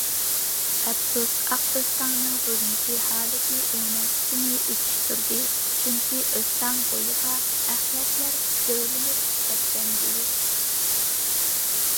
ئەپسۇس ئاق ئۆستەڭنىڭ بۈگۈنكى ھالىتى ئۇنىڭ ئىچىنى ئېچىشتۇردى، چۈنكى ئۆستەڭ بويىغا ئەخلەتلەر دۆۋىلىنىپ كەتكەنىدى.